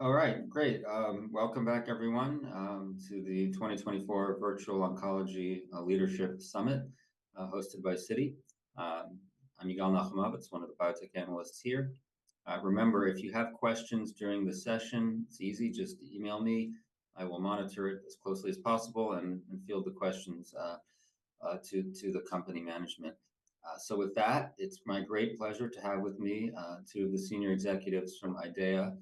All right, great. Welcome back, everyone, to the 2024 Virtual Oncology Leadership Summit, hosted by Citi. I'm Yigal Nochomovitz, one of the biotech analysts here. Remember, if you have questions during the session, it's easy, just email me. I will monitor it as closely as possible and field the questions to the company management. So with that, it's my great pleasure to have with me two of the senior executives from IDEAYA,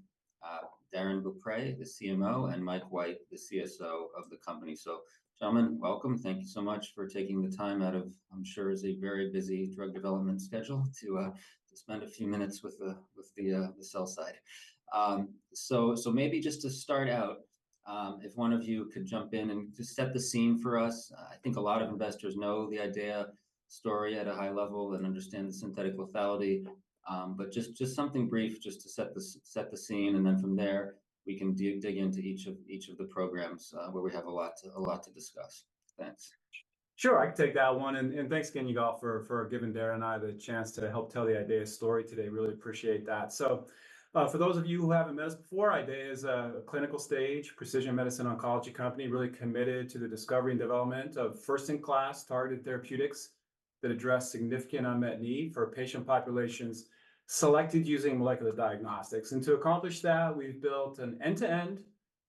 Darrin Beaupre, the CMO, and Mike White, the CSO of the company. So, gentlemen, welcome. Thank you so much for taking the time out of, I'm sure, a very busy drug development schedule to spend a few minutes with the sell side. So maybe just to start out, if one of you could jump in and just set the scene for us. I think a lot of investors know the IDEAYA story at a high level and understand the synthetic lethality, but just something brief to set the scene, and then from there we can dig into each of the programs, where we have a lot to discuss. Thanks. Sure, I can take that one. And thanks again, Yigal, for giving Darrin and I the chance to help tell the IDEAYA story today. Really appreciate that. So, for those of you who haven't met us before, IDEAYA is a clinical stage precision medicine oncology company really committed to the discovery and development of first-in-class targeted therapeutics that address significant unmet need for patient populations selected using molecular diagnostics. And to accomplish that, we've built an end-to-end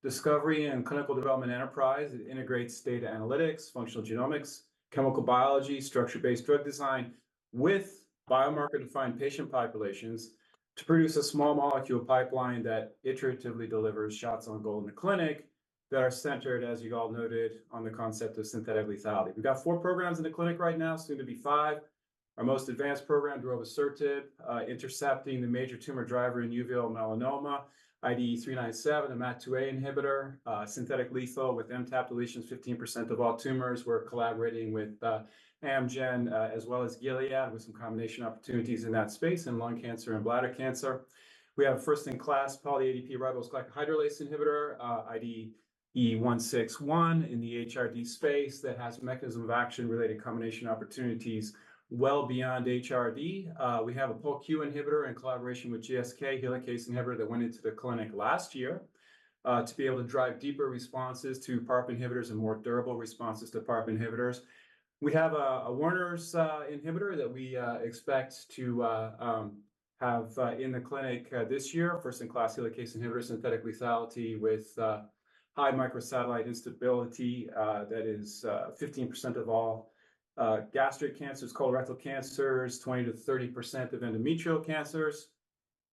discovery and clinical development enterprise that integrates data analytics, functional genomics, chemical biology, structure-based drug design, with biomarker-defined patient populations to produce a small molecule pipeline that iteratively delivers shots on goal in the clinic that are centered, as Yigal noted, on the concept of synthetic lethality. We've got four programs in the clinic right now, soon to be five. Our most advanced program, Darovasertib, intercepting the major tumor driver in uveal melanoma, IDE397, a MAT2A inhibitor, synthetic lethal with MTAP deletions 15% of all tumors. We're collaborating with Amgen, as well as Gilead, with some combination opportunities in that space in lung cancer and bladder cancer. We have a first-in-class poly(ADP-ribose) glycohydrolase inhibitor, IDE161, in the HRD space that has mechanism of action-related combination opportunities well beyond HRD. We have a POLQ inhibitor in collaboration with GSK, helicase inhibitor that went into the clinic last year, to be able to drive deeper responses to PARP inhibitors and more durable responses to PARP inhibitors. We have a Werner inhibitor that we expect to have in the clinic this year, first-in-class helicase inhibitor, synthetic lethality with high microsatellite instability, that is 15% of all gastric cancers, colorectal cancers, 20%-30% of endometrial cancers.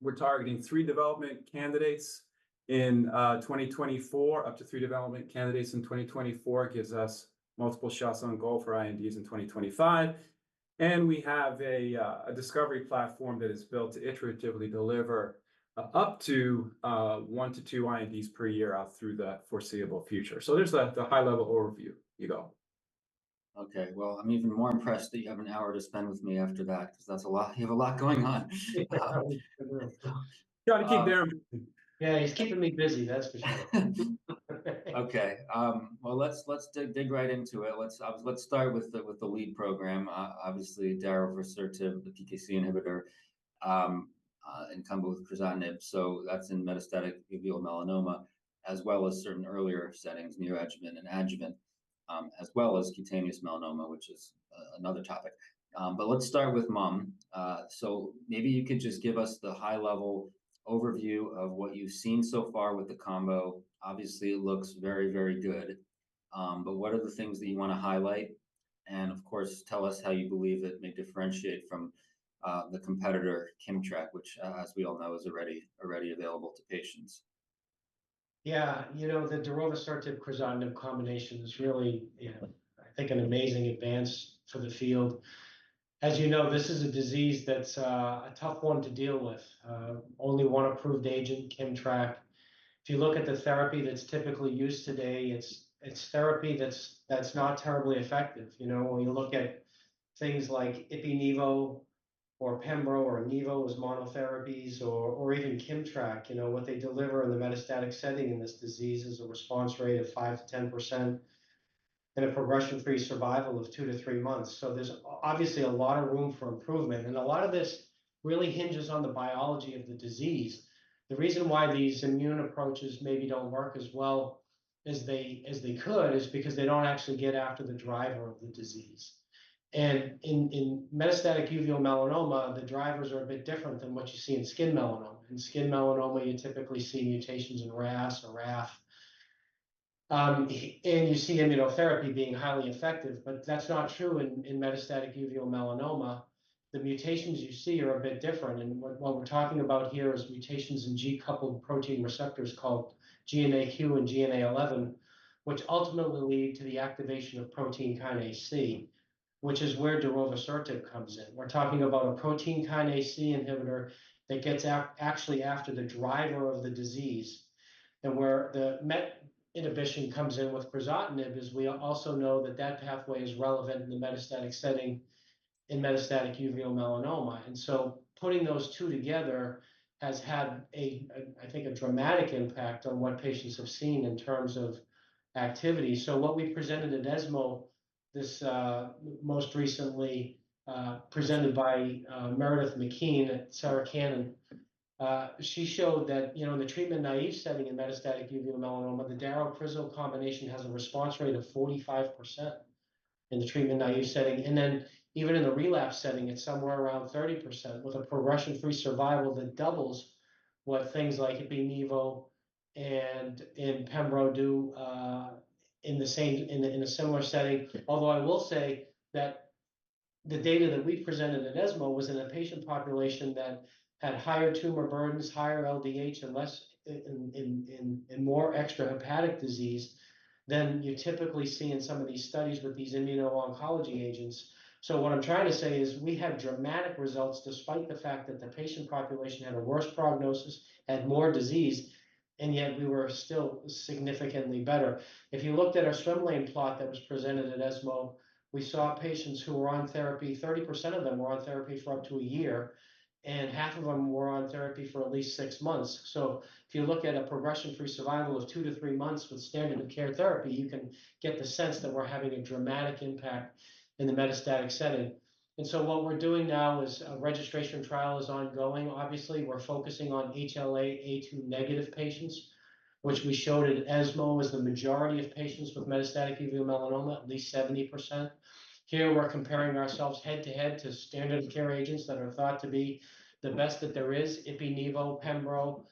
We're targeting 3 development candidates in 2024. Up to 3 development candidates in 2024 gives us multiple shots on goal for INDs in 2025. We have a discovery platform that is built to iteratively deliver up to 1-2 INDs per year out through the foreseeable future. There's a high-level overview, Yigal. Okay. Well, I'm even more impressed that you have an hour to spend with me after that because that's a lot you have a lot going on. Trying to keep Darrin busy. Yeah, he's keeping me busy, that's for sure. Okay. Well, let's dig right into it. Let's start with the lead program. Obviously, Darovasertib, the PKC inhibitor, in combo with crizotinib. So that's in metastatic uveal melanoma, as well as certain earlier settings, neoadjuvant and adjuvant, as well as cutaneous melanoma, which is another topic. But let's start with MUM. So maybe you could just give us the high-level overview of what you've seen so far with the combo. Obviously, it looks very, very good. But what are the things that you want to highlight? And of course, tell us how you believe it may differentiate from the competitor, KIMMTRAK, which, as we all know, is already available to patients. Yeah, you know, the Darovasertib-Crizotinib combination is really, you know, I think, an amazing advance for the field. As you know, this is a disease that's, a tough one to deal with. Only one approved agent, KIMMTRAK. If you look at the therapy that's typically used today, it's therapy that's not terribly effective. You know, when you look at things like ipilimumab or pembrolizumab or nivolumab as monotherapies or, or even KIMMTRAK, you know, what they deliver in the metastatic setting in this disease is a response rate of 5%-10% and a progression-free survival of two-three months. So there's obviously a lot of room for improvement. And a lot of this really hinges on the biology of the disease. The reason why these immune approaches maybe don't work as well as they could is because they don't actually get after the driver of the disease. In metastatic uveal melanoma, the drivers are a bit different than what you see in skin melanoma. In skin melanoma, you typically see mutations in RAS or RAF, and you see immunotherapy being highly effective, but that's not true in metastatic uveal melanoma. The mutations you see are a bit different. And what we're talking about here is mutations in G-coupled protein receptors called GNAQ and GNA11, which ultimately lead to the activation of protein kinase C, which is where Darovasertib comes in. We're talking about a protein kinase C inhibitor that gets actually after the driver of the disease. And where the MET inhibition comes in with crizotinib is we also know that that pathway is relevant in the metastatic setting in metastatic uveal melanoma. And so putting those two together has had a, I think, a dramatic impact on what patients have seen in terms of activity. So what we presented at ESMO, this, most recently, presented by, Meredith McKean at Sarah Cannon, she showed that, you know, in the treatment naive setting in metastatic uveal melanoma, the Darovasertib-Crizotinib combination has a response rate of 45% in the treatment naive setting. And then even in the relapse setting, it's somewhere around 30% with a progression-free survival that doubles what things like ipilimumab and, and pembrolizumab do, in the same in the in a similar setting. Although I will say that the data that we presented at ESMO was in a patient population that had higher tumor burdens, higher LDH, and more extrahepatic disease than you typically see in some of these studies with these immuno-oncology agents. So what I'm trying to say is we had dramatic results despite the fact that the patient population had a worse prognosis, had more disease, and yet we were still significantly better. If you looked at our swim lane plot that was presented at ESMO, we saw patients who were on therapy, 30% of them were on therapy for up to a year, and half of them were on therapy for at least six months. So if you look at a progression-free survival of two-three months with standard-of-care therapy, you can get the sense that we're having a dramatic impact in the metastatic setting. And so what we're doing now is a registration trial is ongoing. Obviously, we're focusing on HLA-A2 negative patients, which we showed at ESMO was the majority of patients with metastatic uveal melanoma, at least 70%. Here, we're comparing ourselves head-to-head to standard-of-care agents that are thought to be the best that there is: Ipi-Nivo, Pembro.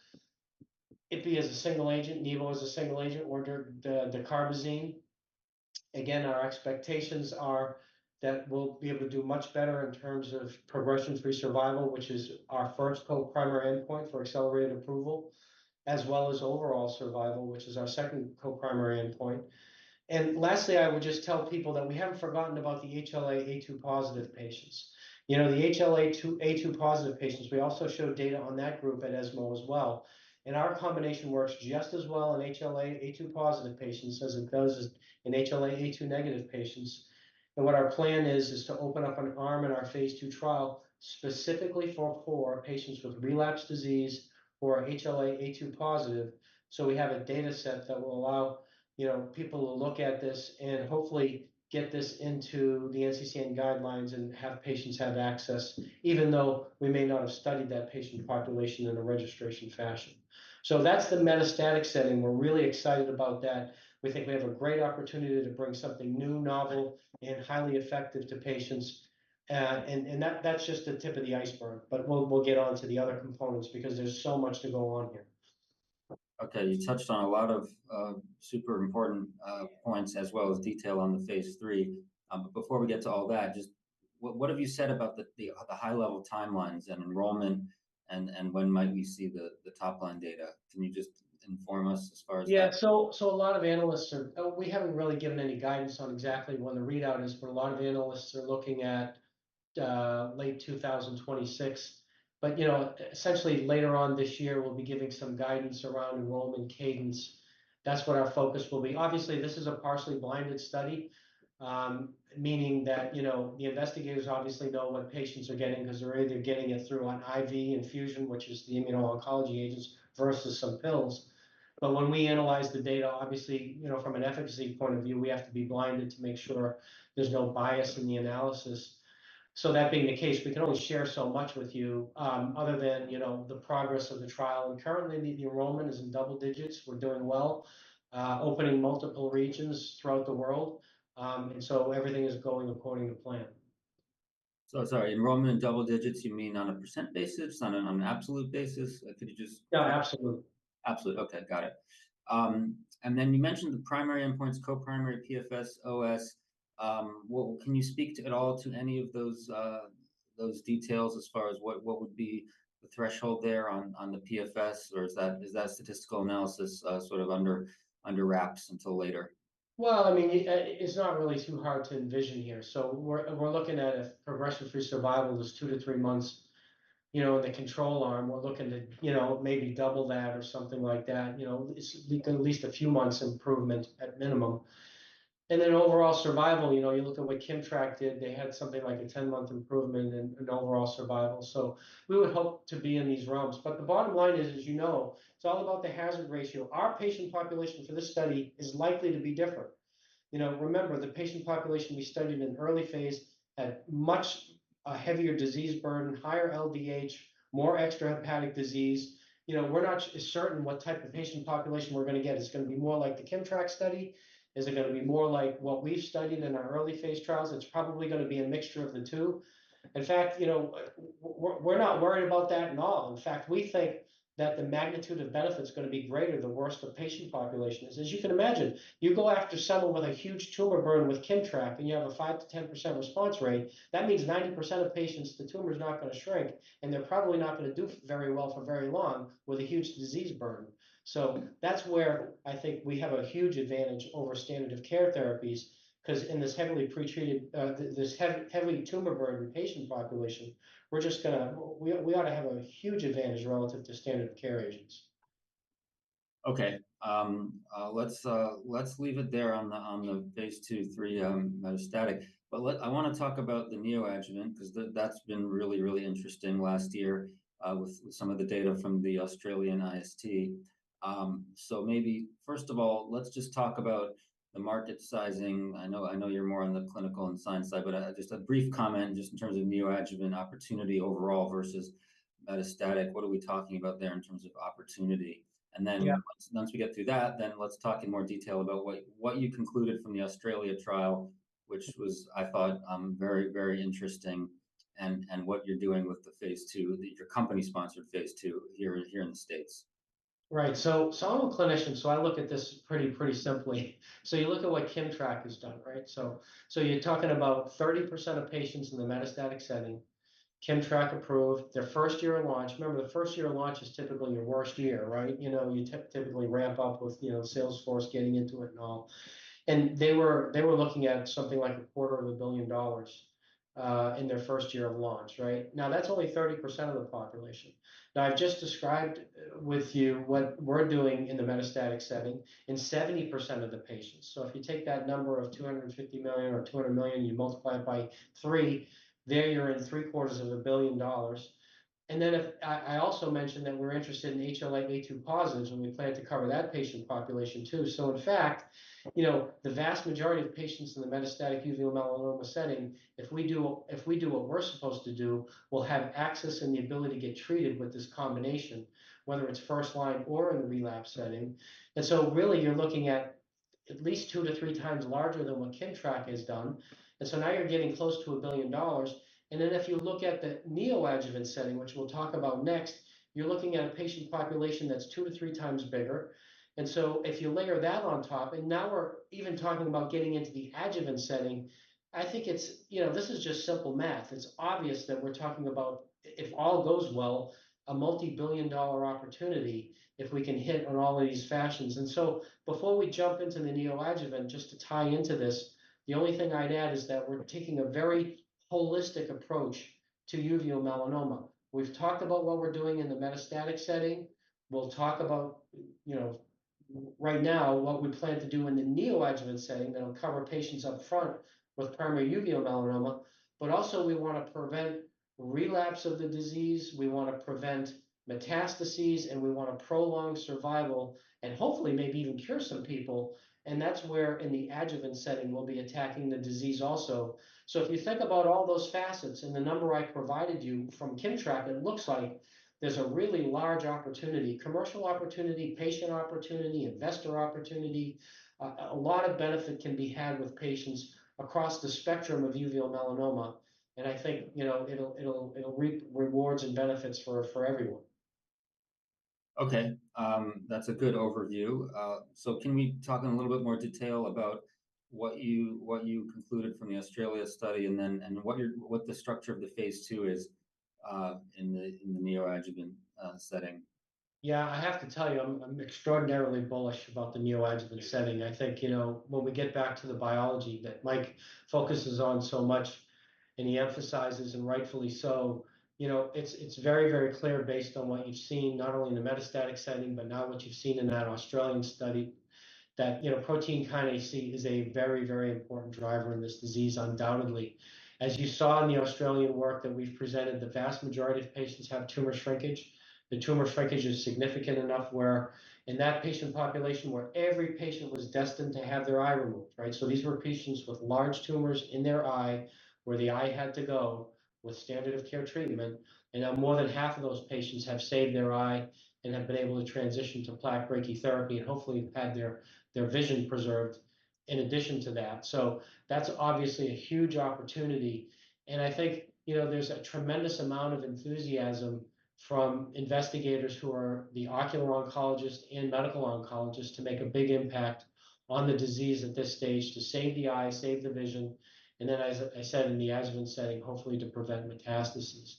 Ipi is a single agent. Nivo is a single agent. We're doing the dacarbazine. Again, our expectations are that we'll be able to do much better in terms of progression-free survival, which is our first co-primary endpoint for accelerated approval, as well as overall survival, which is our second co-primary endpoint. And lastly, I would just tell people that we haven't forgotten about the HLA-A2 positive patients. You know, the HLA-A2 positive patients, we also showed data on that group at ESMO as well. Our combination works just as well in HLA-A2 positive patients as it does in HLA-A2 negative patients. What our plan is, is to open up an arm in our phase II trial specifically for patients with relapse disease or HLA-A2 positive. So we have a dataset that will allow, you know, people to look at this and hopefully get this into the NCCN guidelines and have patients have access, even though we may not have studied that patient population in a registration fashion. So that's the metastatic setting. We're really excited about that. We think we have a great opportunity to bring something new, novel, and highly effective to patients. and that that's just the tip of the iceberg, but we'll get on to the other components because there's so much to go on here. Okay. You touched on a lot of super important points as well as detail on the phase III. But before we get to all that, just what have you said about the high-level timelines and enrollment and when might we see the top-line data? Can you just inform us as far as that? Yeah. So, so a lot of analysts are. Oh, we haven't really given any guidance on exactly when the readout is, but a lot of analysts are looking at late 2026. But, you know, essentially later on this year, we'll be giving some guidance around enrollment cadence. That's what our focus will be. Obviously, this is a partially blinded study, meaning that, you know, the investigators obviously know what patients are getting because they're either getting it through an IV infusion, which is the immuno-oncology agents, versus some pills. But when we analyze the data, obviously, you know, from an efficacy point of view, we have to be blinded to make sure there's no bias in the analysis. So that being the case, we can only share so much with you, other than, you know, the progress of the trial. And currently, the enrollment is in double digits. We're doing well, opening multiple regions throughout the world. And so everything is going according to plan. So sorry, enrollment in double digits, you mean on a percent basis, on an absolute basis? Could you just? Yeah, absolutely. Absolute. Okay. Got it. And then you mentioned the primary endpoints, co-primary, PFS, OS. Well, can you speak at all to any of those, those details as far as what, what would be the threshold there on, on the PFS, or is that is that statistical analysis, sort of under, under wraps until later? Well, I mean, it's not really too hard to envision here. So we're looking at if progression-free survival is two-three3 months, you know, in the control arm, we're looking to, you know, maybe double that or something like that. You know, it's at least a few months improvement at minimum. And then overall survival, you know, you look at what KIMMTRAK did, they had something like a 10-month improvement in overall survival. So we would hope to be in these realms. But the bottom line is, as you know, it's all about the hazard ratio. Our patient population for this study is likely to be different. You know, remember, the patient population we studied in early phase had much a heavier disease burden, higher LDH, more extrahepatic disease. You know, we're not certain what type of patient population we're going to get. It's going to be more like the KIMMTRAK study. Is it going to be more like what we've studied in our early phase trials? It's probably going to be a mixture of the two. In fact, you know, we're not worried about that at all. In fact, we think that the magnitude of benefit's going to be greater the worse the patient population is. As you can imagine, you go after someone with a huge tumor burden with KIMMTRAK and you have a 5%-10% response rate, that means 90% of patients, the tumor's not going to shrink, and they're probably not going to do very well for very long with a huge disease burden. So that's where I think we have a huge advantage over standard-of-care therapies because in this heavily pretreated, this heavy, heavy tumor burden patient population, we're just going to, we ought to have a huge advantage relative to standard-of-care agents. Okay, let's leave it there on the phase II/III metastatic. But I want to talk about the neoadjuvant because that's been really, really interesting last year, with some of the data from the Australian IST. So maybe first of all, let's just talk about the market sizing. I know you're more on the clinical and science side, but I just a brief comment just in terms of neoadjuvant opportunity overall versus metastatic. What are we talking about there in terms of opportunity? And then once we get through that, then let's talk in more detail about what you concluded from the Australian trial, which was, I thought, very, very interesting, and what you're doing with the phase II that your company sponsored phase II here in the States. Right. So I'm a clinician, so I look at this pretty, pretty simply. So you look at what KIMMTRAK has done, right? So you're talking about 30% of patients in the metastatic setting. KIMMTRAK approved. Their first year of launch. Remember, the first year of launch is typically your worst year, right? You know, you typically ramp up with, you know, sales force getting into it and all. And they were looking at something like $250 million in their first year of launch, right? Now, that's only 30% of the population. Now, I've just described with you what we're doing in the metastatic setting in 70% of the patients. So if you take that number of $250 million or $200 million, you multiply it by three, there you're in $750 million. Then if I also mentioned that we're interested in HLA-A2 positives and we plan to cover that patient population too. So in fact, you know, the vast majority of patients in the metastatic uveal melanoma setting, if we do what we're supposed to do, we'll have access and the ability to get treated with this combination, whether it's first-line or in the relapse setting. And so really, you're looking at least 2-3x larger than what KIMMTRAK has done. And so now you're getting close to $1 billion. And then if you look at the neoadjuvant setting, which we'll talk about next, you're looking at a patient population that's 2-3x bigger. And so if you layer that on top, and now we're even talking about getting into the adjuvant setting, I think it's, you know, this is just simple math. It's obvious that we're talking about, if all goes well, a multi-billion dollar opportunity if we can hit on all of these fashions. And so before we jump into the neoadjuvant, just to tie into this, the only thing I'd add is that we're taking a very holistic approach to uveal melanoma. We've talked about what we're doing in the metastatic setting. We'll talk about, you know, right now, what we plan to do in the neoadjuvant setting that'll cover patients up front with primary uveal melanoma. But also, we want to prevent relapse of the disease. We want to prevent metastases, and we want to prolong survival and hopefully maybe even cure some people. That's where in the adjuvant setting, we'll be attacking the disease also. So if you think about all those facets and the number I provided you from KIMMTRAK, it looks like there's a really large opportunity, commercial opportunity, patient opportunity, investor opportunity. A lot of benefit can be had with patients across the spectrum of uveal melanoma. I think, you know, it'll reap rewards and benefits for everyone. Okay. That's a good overview. So can we talk in a little bit more detail about what you concluded from the Australia study and then what the structure of the phase II is, in the neoadjuvant setting? Yeah, I have to tell you, I'm I'm extraordinarily bullish about the neoadjuvant setting. I think, you know, when we get back to the biology that Mike focuses on so much and he emphasizes, and rightfully so, you know, it's it's very, very clear based on what you've seen, not only in the metastatic setting, but now what you've seen in that Australian study, that, you know, protein kinase is a very, very important driver in this disease, undoubtedly. As you saw in the Australian work that we've presented, the vast majority of patients have tumor shrinkage. The tumor shrinkage is significant enough where in that patient population where every patient was destined to have their eye removed, right? So these were patients with large tumors in their eye where the eye had to go with standard-of-care treatment. And now more than half of those patients have saved their eye and have been able to transition to plaque brachytherapy and hopefully have had their vision preserved in addition to that. So that's obviously a huge opportunity. And I think, you know, there's a tremendous amount of enthusiasm from investigators who are the ocular oncologists and medical oncologists to make a big impact on the disease at this stage, to save the eye, save the vision, and then, as I said, in the adjuvant setting, hopefully to prevent metastases.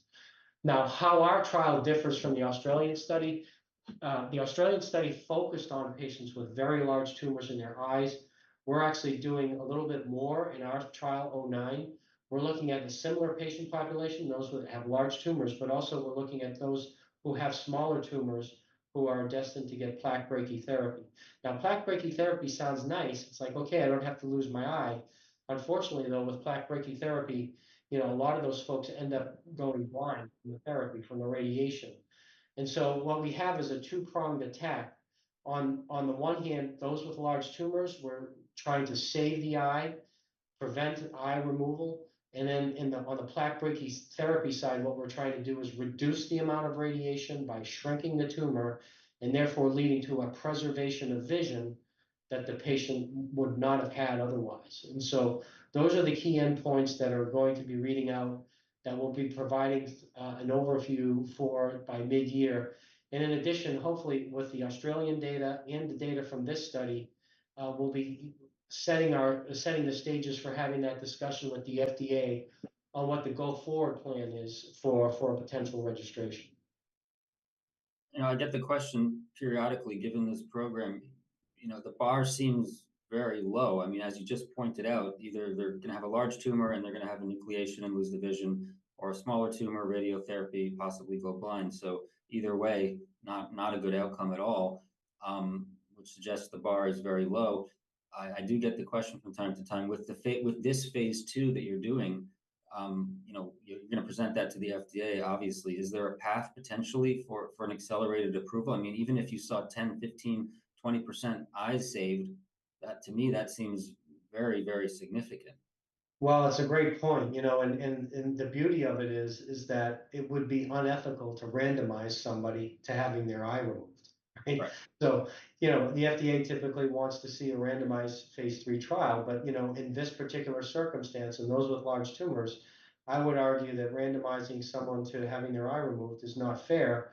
Now, how our trial differs from the Australian study, the Australian study focused on patients with very large tumors in their eyes. We're actually doing a little bit more in our trial 09. We're looking at a similar patient population, those who have large tumors, but also we're looking at those who have smaller tumors who are destined to get plaque brachytherapy. Now, plaque brachytherapy sounds nice. It's like, okay, I don't have to lose my eye. Unfortunately, though, with plaque brachytherapy, you know, a lot of those folks end up going blind from the therapy, from the radiation. And so what we have is a two-pronged attack. On the one hand, those with large tumors, we're trying to save the eye, prevent eye removal. And then on the plaque brachytherapy side, what we're trying to do is reduce the amount of radiation by shrinking the tumor and therefore leading to a preservation of vision that the patient would not have had otherwise. And so those are the key endpoints that are going to be reading out that we'll be providing, an overview for by mid-year. And in addition, hopefully, with the Australian data and the data from this study, we'll be setting the stages for having that discussion with the FDA on what the go-forward plan is for a potential registration. You know, I get the question periodically, given this program, you know, the bar seems very low. I mean, as you just pointed out, either they're going to have a large tumor and they're going to have enucleation and lose the vision, or a smaller tumor, radiotherapy, possibly go blind. So either way, not a good outcome at all, which suggests the bar is very low. I do get the question from time to time, with this phase II that you're doing, you know, you're going to present that to the FDA, obviously. Is there a path potentially for an accelerated approval? I mean, even if you saw 10%, 15%, 20% eyes saved, that to me, that seems very, very significant. Well, it's a great point, you know, and the beauty of it is that it would be unethical to randomize somebody to having their eye removed, right? So, you know, the FDA typically wants to see a randomized phase III trial, but, you know, in this particular circumstance, and those with large tumors, I would argue that randomizing someone to having their eye removed is not fair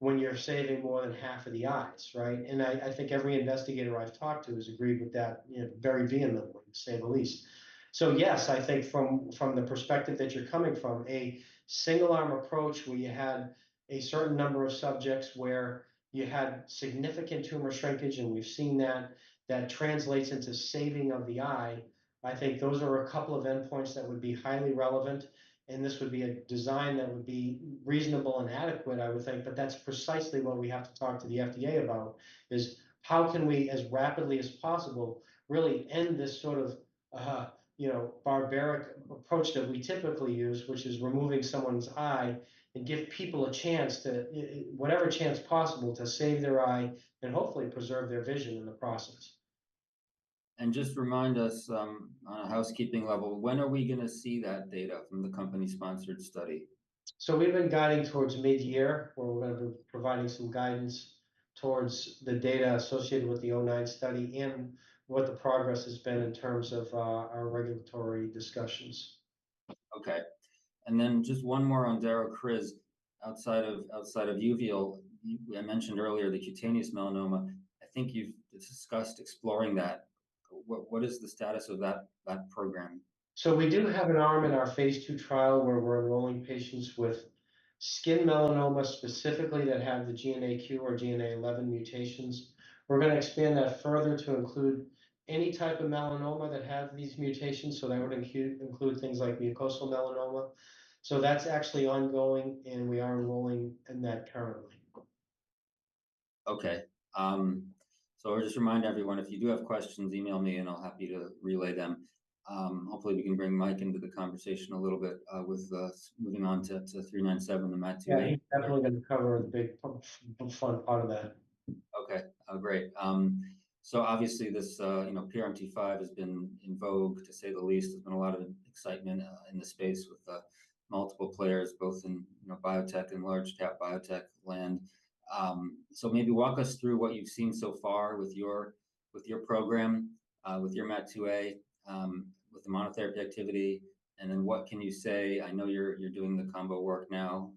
when you're saving more than half of the eyes, right? And I think every investigator I've talked to has agreed with that, you know, very vehemently, to say the least. So yes, I think from the perspective that you're coming from, a single-arm approach where you had a certain number of subjects where you had significant tumor shrinkage, and we've seen that that translates into saving of the eye, I think those are a couple of endpoints that would be highly relevant. And this would be a design that would be reasonable and adequate, I would think. But that's precisely what we have to talk to the FDA about, is how can we, as rapidly as possible, really end this sort of, you know, barbaric approach that we typically use, which is removing someone's eye and give people a chance to, whatever chance possible, to save their eye and hopefully preserve their vision in the process. Just remind us, on a housekeeping level, when are we going to see that data from the company-sponsored study? We've been guiding towards mid-year where we're going to be providing some guidance towards the data associated with the 09 study and what the progress has been in terms of our regulatory discussions. Okay. And then just one more on Darrin Beaupre, outside of uveal, I mentioned earlier the cutaneous melanoma. I think you've discussed exploring that. What is the status of that program? So we do have an arm in our phase II trial where we're enrolling patients with skin melanoma specifically that have the GNAQ or GNA11 mutations. We're going to expand that further to include any type of melanoma that have these mutations. So that would include things like mucosal melanoma. So that's actually ongoing, and we are enrolling in that currently. Okay. So I'll just remind everyone, if you do have questions, email me and I'll be happy to relay them. Hopefully we can bring Mike into the conversation a little bit, with moving on to 397 and Matthew. Yeah, he's definitely going to cover a big fun part of that. Okay. Great. So obviously this, you know, PRMT5 has been in vogue, to say the least. There's been a lot of excitement in the space with multiple players, both in, you know, biotech and large-cap biotech land. So maybe walk us through what you've seen so far with your program, with your MAT2A, with the monotherapy activity. And then what can you say? I know you're doing the combo work now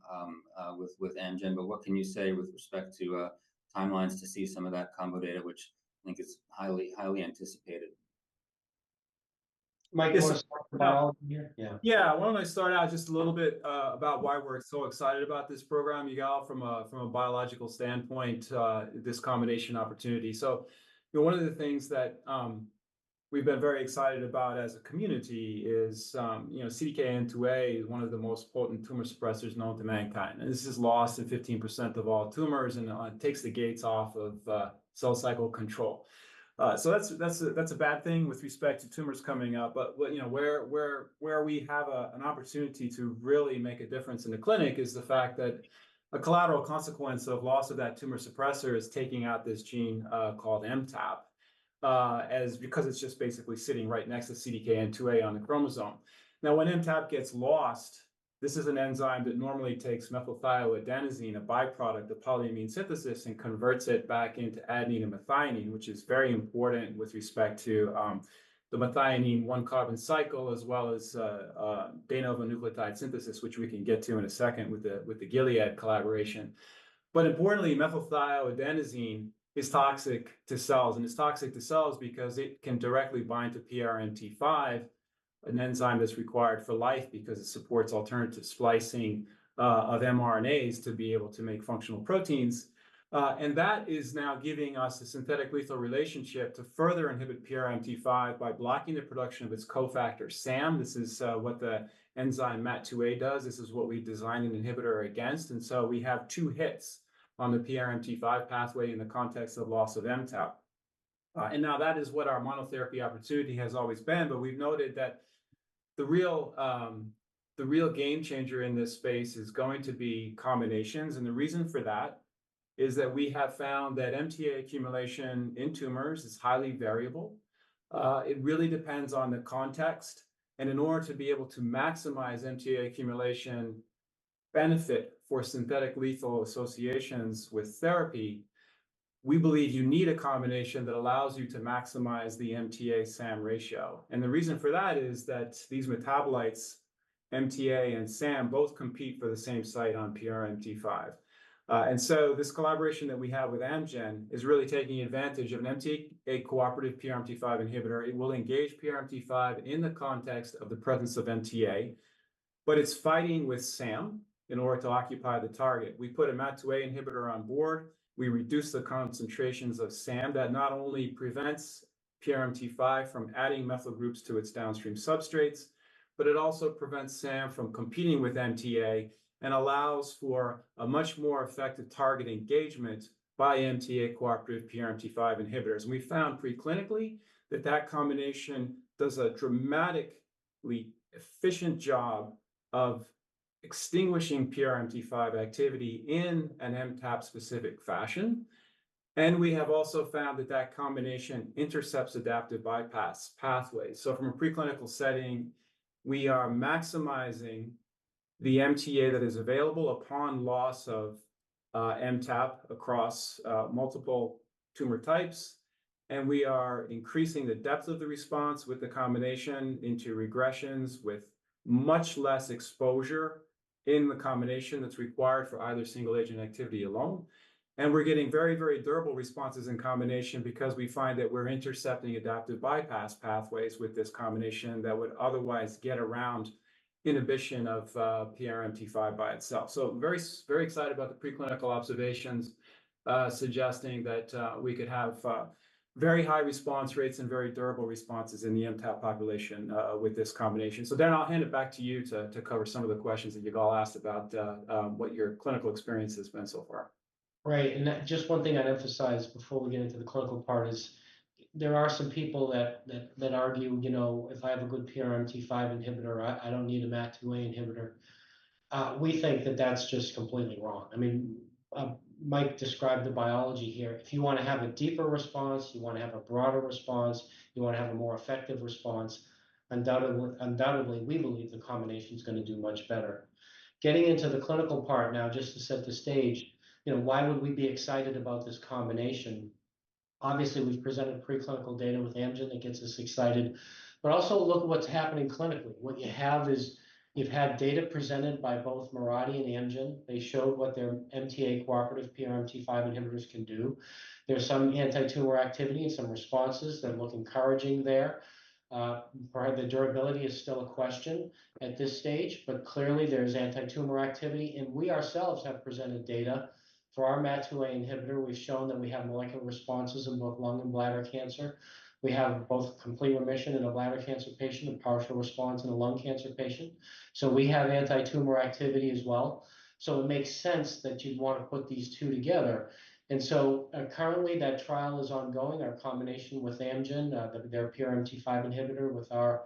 with Amgen, but what can you say with respect to timelines to see some of that combo data, which I think is highly highly anticipated? Mike, is this for biology here. Yeah. Yeah. Why don't I start out just a little bit about why we're so excited about this program? You got all from a biological standpoint, this combination opportunity. So, you know, one of the things that we've been very excited about as a community is, you know, CDKN2A is one of the most potent tumor suppressors known to mankind. And this has lost 15% of all tumors and takes the gates off of cell cycle control. So that's a bad thing with respect to tumors coming up. You know, where we have an opportunity to really make a difference in the clinic is the fact that a collateral consequence of loss of that tumor suppressor is taking out this gene, called MTAP, because it's just basically sitting right next to CDKN2A on the chromosome. Now, when MTAP gets lost, this is an enzyme that normally takes methylthioadenosine, a byproduct of polyamine synthesis, and converts it back into adenine and methionine, which is very important with respect to the methionine one-carbon cycle, as well as de novo nucleotide synthesis, which we can get to in a second with the Gilead collaboration. But importantly, methylthioadenosine is toxic to cells. And it's toxic to cells because it can directly bind to PRMT5, an enzyme that's required for life because it supports alternative splicing of mRNAs to be able to make functional proteins. And that is now giving us a synthetic lethal relationship to further inhibit PRMT5 by blocking the production of its cofactor SAM. This is what the enzyme MAT2A does. This is what we designed an inhibitor against. And so we have two hits on the PRMT5 pathway in the context of loss of MTAP. And now that is what our monotherapy opportunity has always been, but we've noted that the real, the real game changer in this space is going to be combinations. And the reason for that is that we have found that MTA accumulation in tumors is highly variable. It really depends on the context. And in order to be able to maximize MTA accumulation benefit for synthetic lethal associations with therapy, we believe you need a combination that allows you to maximize the MTA-SAM ratio. And the reason for that is that these metabolites, MTA and SAM, both compete for the same site on PRMT5. So this collaboration that we have with Amgen is really taking advantage of an MTA cooperative PRMT5 inhibitor. It will engage PRMT5 in the context of the presence of MTA. But it's fighting with SAM in order to occupy the target. We put a MAT2A inhibitor on board. We reduce the concentrations of SAM that not only prevents PRMT5 from adding methyl groups to its downstream substrates, but it also prevents SAM from competing with MTA and allows for a much more effective target engagement by MTA cooperative PRMT5 inhibitors. And we found preclinically that that combination does a dramatically efficient job of extinguishing PRMT5 activity in an MTAP-specific fashion. And we have also found that that combination intercepts adaptive bypass pathways. So from a preclinical setting, we are maximizing the MTA that is available upon loss of MTAP across multiple tumor types. And we are increasing the depth of the response with the combination into regressions with much less exposure in the combination that's required for either single-agent activity alone. And we're getting very, very durable responses in combination because we find that we're intercepting adaptive bypass pathways with this combination that would otherwise get around inhibition of PRMT5 by itself. So very, very excited about the preclinical observations suggesting that we could have very high response rates and very durable responses in the MTAP population with this combination. So Darrin, I'll hand it back to you to cover some of the questions that you've all asked about what your clinical experience has been so far. Right. Just one thing I'd emphasize before we get into the clinical part is there are some people that argue, you know, if I have a good PRMT5 inhibitor, I don't need a MAT2A inhibitor. We think that that's just completely wrong. I mean, Mike described the biology here. If you want to have a deeper response, you want to have a broader response, you want to have a more effective response, undoubtedly, undoubtedly, we believe the combination is going to do much better. Getting into the clinical part now, just to set the stage, you know, why would we be excited about this combination? Obviously, we've presented preclinical data with Amgen that gets us excited. But also look at what's happening clinically. What you have is you've had data presented by both Mirati and Amgen. They showed what their MTA cooperative PRMT5 inhibitors can do. There's some anti-tumor activity and some responses that look encouraging there. The durability is still a question at this stage, but clearly there's anti-tumor activity. And we ourselves have presented data for our MAT2A inhibitor. We've shown that we have molecular responses in both lung and bladder cancer. We have both complete remission in a bladder cancer patient and partial response in a lung cancer patient. So we have anti-tumor activity as well. So it makes sense that you'd want to put these two together. And so, currently, that trial is ongoing, our combination with Amgen, their PRMT5 inhibitor with our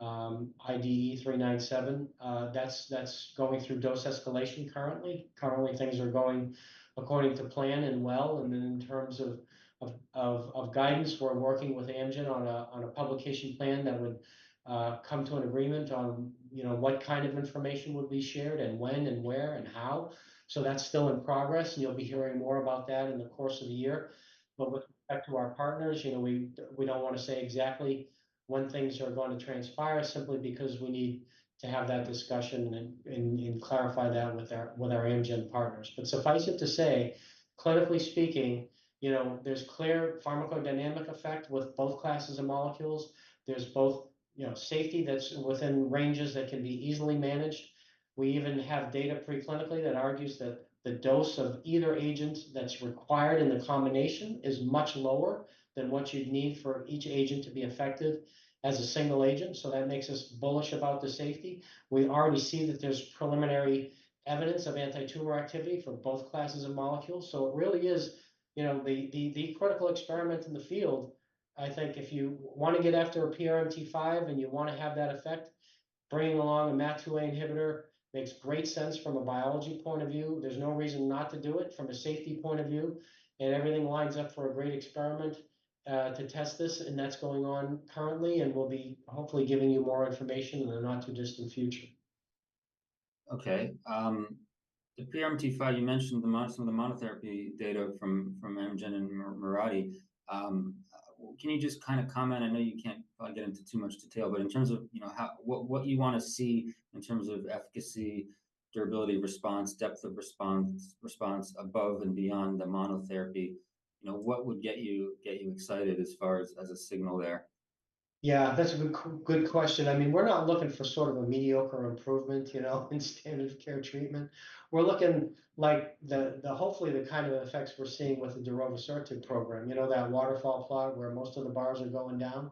IDE397. That's going through dose escalation currently. Currently, things are going according to plan and well. And then in terms of guidance, we're working with Amgen on a publication plan that would come to an agreement on, you know, what kind of information would be shared and when and where and how. So that's still in progress. And you'll be hearing more about that in the course of the year. But with respect to our partners, you know, we don't want to say exactly when things are going to transpire simply because we need to have that discussion and clarify that with our Amgen partners. But suffice it to say, clinically speaking, you know, there's clear pharmacodynamic effect with both classes of molecules. There's both, you know, safety that's within ranges that can be easily managed. We even have data preclinically that argues that the dose of either agent that's required in the combination is much lower than what you'd need for each agent to be effective as a single agent. So that makes us bullish about the safety. We already see that there's preliminary evidence of anti-tumor activity for both classes of molecules. So it really is, you know, the critical experiment in the field. I think if you want to get after a PRMT5 and you want to have that effect, bringing along a MAT2A inhibitor makes great sense from a biology point of view. There's no reason not to do it from a safety point of view. And everything lines up for a great experiment, to test this. And that's going on currently and will be hopefully giving you more information in the not too distant future. Okay. The PRMT5, you mentioned some of the monotherapy data from Amgen and Menarini. Can you just kind of comment? I know you can't get into too much detail, but in terms of, you know, how what you want to see in terms of efficacy, durability, response, depth of response, response above and beyond the monotherapy, you know, what would get you excited as far as a signal there? Yeah, that's a good good question. I mean, we're not looking for sort of a mediocre improvement, you know, in standard of care treatment. We're looking like the the hopefully the kind of effects we're seeing with the Darovasertib program, you know, that waterfall plot where most of the bars are going down.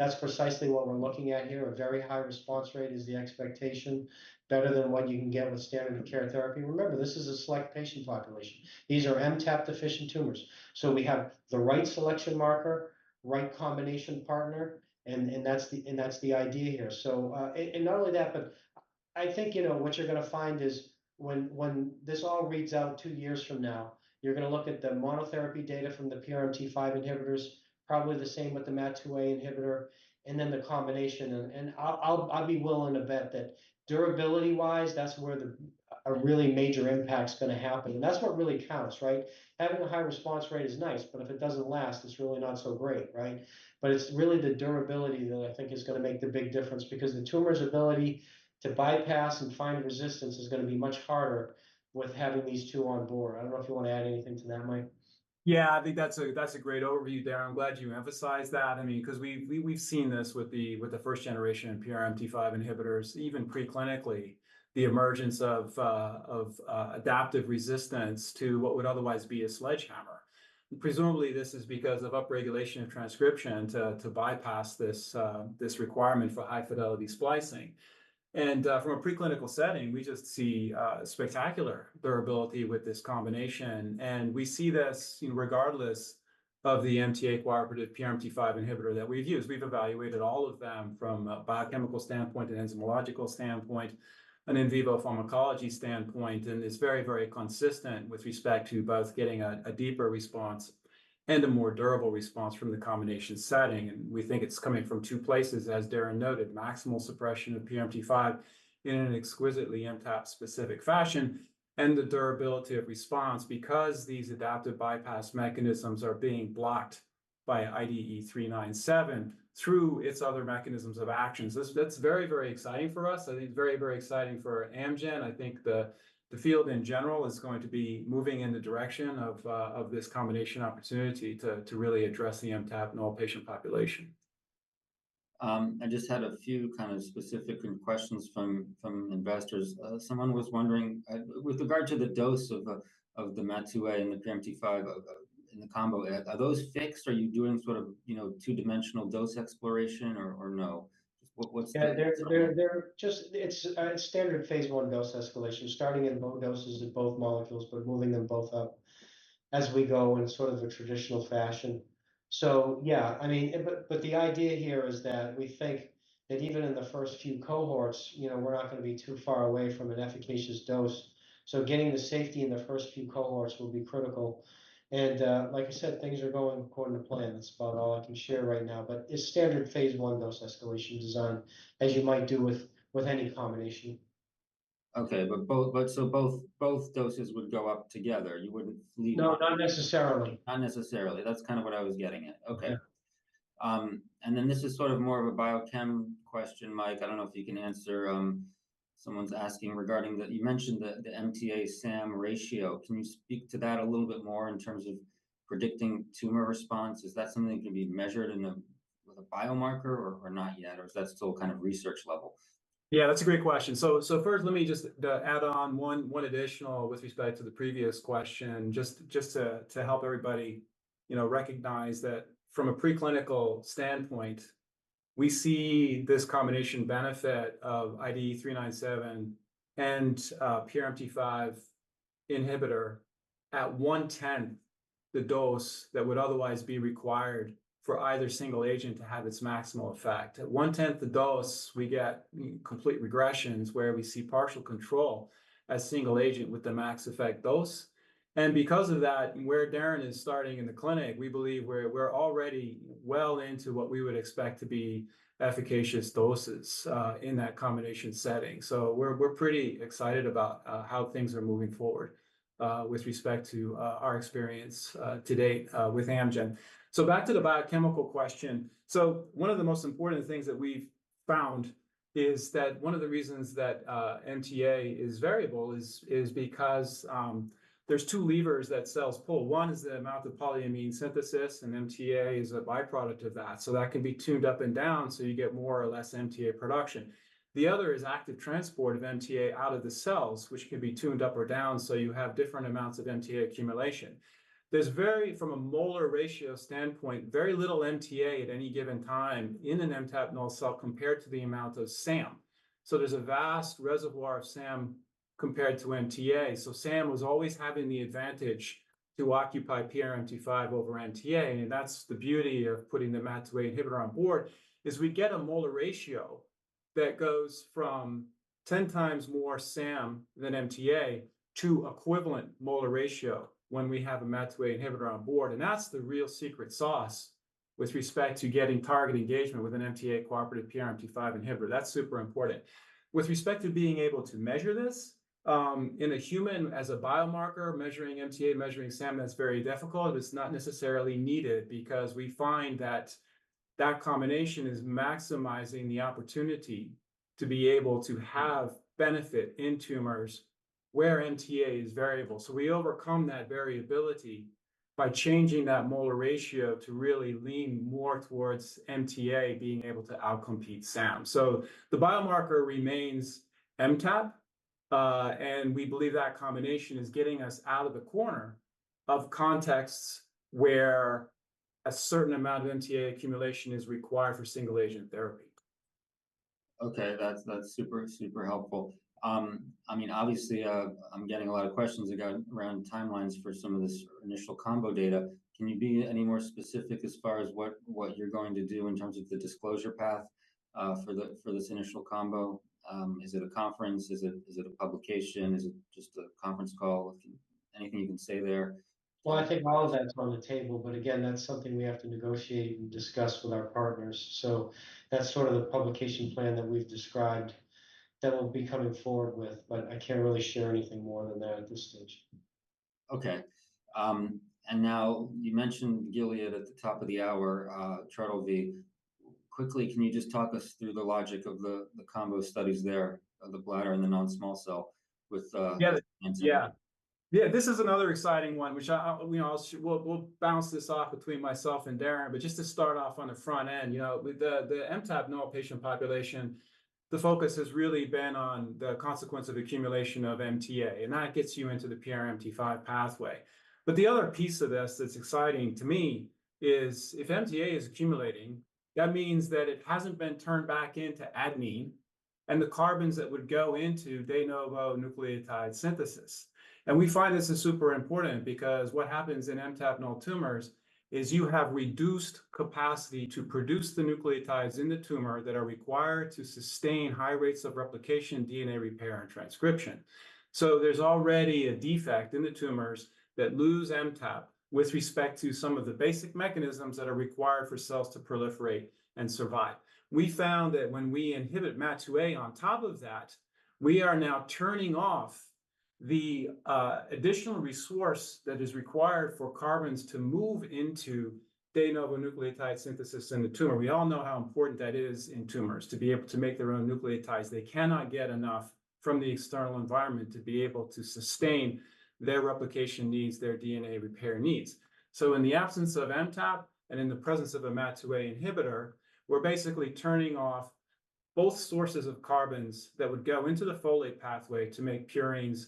That's precisely what we're looking at here. A very high response rate is the expectation, better than what you can get with standard of care therapy. Remember, this is a select patient population. These are MTAP-deficient tumors. So we have the right selection marker, right combination partner, and and that's the and that's the idea here. So, and not only that, but I think, you know, what you're going to find is when this all reads out two years from now, you're going to look at the monotherapy data from the PRMT5 inhibitors, probably the same with the MAT2A inhibitor, and then the combination. And I'll be willing to bet that durability-wise, that's where a really major impact's going to happen. And that's what really counts, right? Having a high response rate is nice, but if it doesn't last, it's really not so great, right? But it's really the durability that I think is going to make the big difference because the tumor's ability to bypass and find resistance is going to be much harder with having these two on board. I don't know if you want to add anything to that, Mike. Yeah, I think that's a great overview, Darrin. I'm glad you emphasized that. I mean, because we've seen this with the first generation of PRMT5 inhibitors, even preclinically, the emergence of adaptive resistance to what would otherwise be a sledgehammer. Presumably, this is because of upregulation of transcription to bypass this requirement for high fidelity splicing. And, from a preclinical setting, we just see spectacular durability with this combination. And we see this, you know, regardless of the MTA cooperative PRMT5 inhibitor that we've used. We've evaluated all of them from a biochemical standpoint, an enzymological standpoint, an in vivo pharmacology standpoint, and it's very, very consistent with respect to both getting a deeper response and a more durable response from the combination setting. And we think it's coming from two places, as Darrin noted, maximal suppression of PRMT5 in an exquisitely MTAP-specific fashion and the durability of response because these adaptive bypass mechanisms are being blocked by IDE397 through its other mechanisms of actions. That's very, very exciting for us. I think it's very, very exciting for Amgen. I think the field in general is going to be moving in the direction of this combination opportunity to really address the MTAP in all patient population. I just had a few kind of specific questions from investors. Someone was wondering, with regard to the dose of the MAT2A and the PRMT5 in the combo, are those fixed? Are you doing sort of, you know, two-dimensional dose exploration or no? Just what's the. Yeah, they're just. It's a standard phase I dose escalation starting in low doses of both molecules, but moving them both up as we go in sort of a traditional fashion. So yeah, I mean, but the idea here is that we think that even in the first few cohorts, you know, we're not going to be too far away from an efficacious dose. So getting the safety in the first few cohorts will be critical. And, like I said, things are going according to plan. That's about all I can share right now. But it's standard phase I dose escalation design, as you might do with any combination. Okay, but both doses would go up together? You wouldn't leave out. No, not necessarily. Not necessarily. That's kind of what I was getting at. Okay. And then this is sort of more of a biochem question, Mike. I don't know if you can answer. Someone's asking regarding the you mentioned the MTA-SAM ratio. Can you speak to that a little bit more in terms of predicting tumor response? Is that something that can be measured in a with a biomarker or not yet, or is that still kind of research level? Yeah, that's a great question. So first, let me just add on one additional with respect to the previous question, just to help everybody, you know, recognize that from a preclinical standpoint, we see this combination benefit of IDE397 and PRMT5 inhibitor at 1/10 the dose that would otherwise be required for either single agent to have its maximal effect. At 1/10 the dose, we get complete regressions where we see partial control as single agent with the max effect dose. And because of that, where Darrin is starting in the clinic, we believe we're already well into what we would expect to be efficacious doses in that combination setting. So we're pretty excited about how things are moving forward with respect to our experience to date with Amgen. So back to the biochemical question. So one of the most important things that we've found is that one of the reasons that MTA is variable is because there's two levers that cells pull. One is the amount of polyamine synthesis, and MTA is a byproduct of that. So that can be tuned up and down so you get more or less MTA production. The other is active transport of MTA out of the cells, which can be tuned up or down so you have different amounts of MTA accumulation. There's very, from a molar ratio standpoint, very little MTA at any given time in an MTAP null cell compared to the amount of SAM. So there's a vast reservoir of SAM compared to MTA. So SAM was always having the advantage to occupy PRMT5 over MTA. That's the beauty of putting the MAT2A inhibitor on board is we get a molar ratio that goes from 10x more SAM than MTA to equivalent molar ratio when we have a MAT2A inhibitor on board. And that's the real secret sauce with respect to getting target engagement with an MTA cooperative PRMT5 inhibitor. That's super important. With respect to being able to measure this, in a human as a biomarker measuring MTA, measuring SAM, that's very difficult. It's not necessarily needed because we find that that combination is maximizing the opportunity to be able to have benefit in tumors where MTA is variable. So we overcome that variability by changing that molar ratio to really lean more towards MTA being able to outcompete SAM. So the biomarker remains MTAP. We believe that combination is getting us out of the corner of contexts where a certain amount of MTA accumulation is required for single agent therapy. Okay, that's super, super helpful. I mean, obviously, I'm getting a lot of questions that go around timelines for some of this initial combo data. Can you be any more specific as far as what you're going to do in terms of the disclosure path for this initial combo? Is it a conference? Is it a publication? Is it just a conference call? Anything you can say there? Well, I think all of that's on the table, but again, that's something we have to negotiate and discuss with our partners. So that's sort of the publication plan that we've described that we'll be coming forward with, but I can't really share anything more than that at this stage. Okay. Now you mentioned Gilead at the top of the hour, Trodelvy. Quickly, can you just talk us through the logic of the combo studies there of the bladder and the non-small cell with Amgen? Yeah. Yeah. Yeah, this is another exciting one, which I, you know, I'll we'll we'll bounce this off between myself and Darrin. But just to start off on the front end, you know, with the MTAP null patient population, the focus has really been on the consequence of accumulation of MTA. And that gets you into the PRMT5 pathway. But the other piece of this that's exciting to me is if MTA is accumulating, that means that it hasn't been turned back into adenine. And the carbons that would go into, de novo nucleotide synthesis. And we find this is super important because what happens in MTAP null tumors is you have reduced capacity to produce the nucleotides in the tumor that are required to sustain high rates of replication, DNA repair, and transcription. So there's already a defect in the tumors that lose MTAP with respect to some of the basic mechanisms that are required for cells to proliferate and survive. We found that when we inhibit MAT2A on top of that, we are now turning off the, additional resource that is required for carbons to move into de novo nucleotide synthesis in the tumor. We all know how important that is in tumors to be able to make their own nucleotides. They cannot get enough from the external environment to be able to sustain their replication needs, their DNA repair needs. So in the absence of MTAP and in the presence of a MAT2A inhibitor, we're basically turning off both sources of carbons that would go into the folate pathway to make purines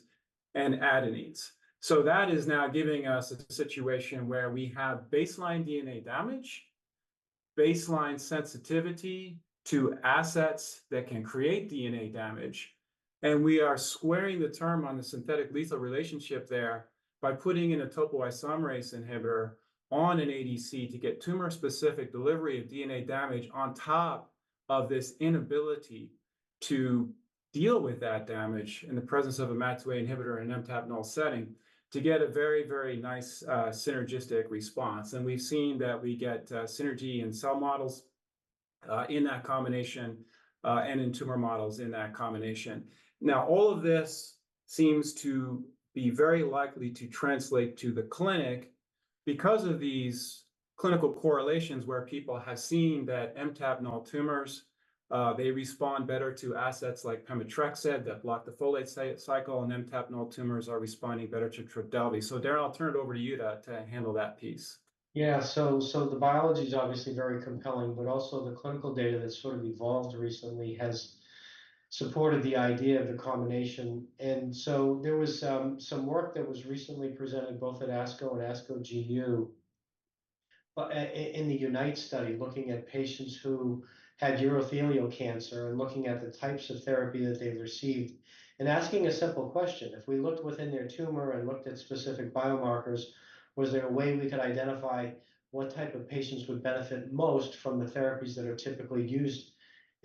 and adenines. That is now giving us a situation where we have baseline DNA damage, baseline sensitivity to assets that can create DNA damage. We are squaring the term on the synthetic lethal relationship there by putting in a topoisomerase inhibitor on an ADC to get tumor-specific delivery of DNA damage on top of this inability to deal with that damage in the presence of a MAT2A inhibitor in an MTAP null setting to get a very, very nice synergistic response. We've seen that we get synergy in cell models in that combination and in tumor models in that combination. Now, all of this seems to be very likely to translate to the clinic because of these clinical correlations where people have seen that MTAP null tumors, they respond better to assets like pemetrexed that block the folate cycle, and MTAP null tumors are responding better to Trodelvy. So Darrin, I'll turn it over to you to handle that piece. Yeah, so the biology is obviously very compelling, but also the clinical data that's sort of evolved recently has supported the idea of the combination. So there was some work that was recently presented both at ASCO and ASCO GU in the UNITE study looking at patients who had urothelial cancer and looking at the types of therapy that they've received and asking a simple question. If we looked within their tumor and looked at specific biomarkers, was there a way we could identify what type of patients would benefit most from the therapies that are typically used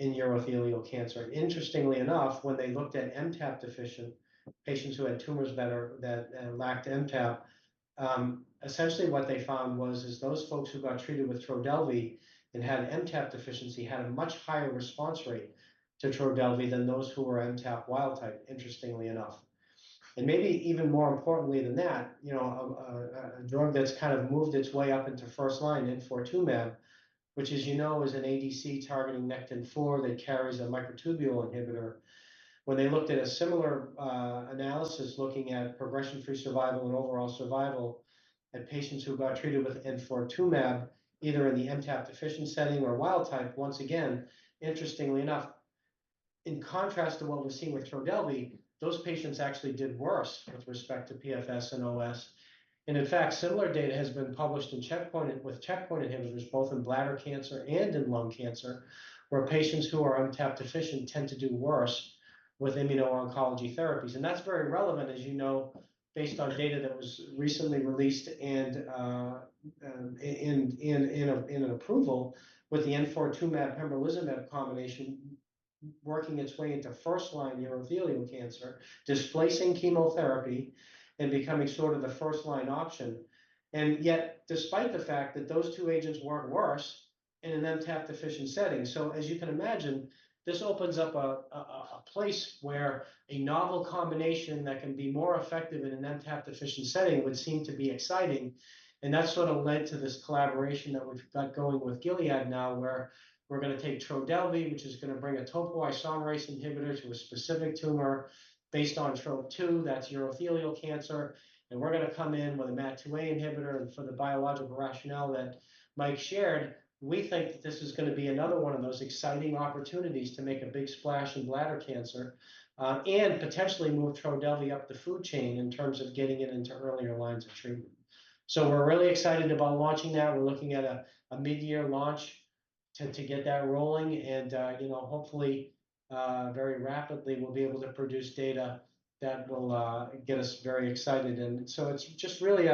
in urothelial cancer? Interestingly enough, when they looked at MTAP-deficient patients who had tumors that lacked MTAP, essentially what they found was those folks who got treated with Trodelvy and had MTAP deficiency had a much higher response rate to Trodelvy than those who were MTAP wild type, interestingly enough. And maybe even more importantly than that, you know, a drug that's kind of moved its way up into first line Padcev, which is, you know, an ADC targeting Nectin-4 that carries a microtubule inhibitor. When they looked at a similar analysis looking at progression-free survival and overall survival in patients who got treated with Padcev either in the MTAP-deficient setting or wild type, once again, interestingly enough, in contrast to what we're seeing with Trodelvy, those patients actually did worse with respect to PFS and OS. In fact, similar data has been published in Checkpoint with Checkpoint inhibitors both in bladder cancer and in lung cancer where patients who are MTAP-deficient tend to do worse with immuno-oncology therapies. That's very relevant, as you know, based on data that was recently released and in an approval with the Padcev/pembrolizumab combination working its way into first-line urothelial cancer, displacing chemotherapy and becoming sort of the first-line option. Yet, despite the fact that those two agents weren't worse in an MTAP-deficient setting. As you can imagine, this opens up a place where a novel combination that can be more effective in an MTAP-deficient setting would seem to be exciting. That's sort of led to this collaboration that we've got going with Gilead now where we're going to take Trodelvy, which is going to bring a topoisomerase inhibitor to a specific tumor based on TROP2. That's urothelial cancer. We're going to come in with a MAT2A inhibitor. And for the biological rationale that Mike shared, we think that this is going to be another one of those exciting opportunities to make a big splash in bladder cancer and potentially move Trodelvy up the food chain in terms of getting it into earlier lines of treatment. So we're really excited about launching that. We're looking at a mid-year launch to get that rolling. And, you know, hopefully, very rapidly, we'll be able to produce data that will get us very excited. And so it's just really